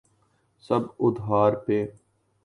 سب ادھار پہ۔